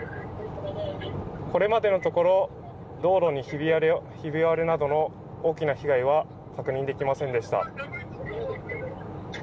これまでのところ道路にひび割れなどの大きな被害は確認できませんでした。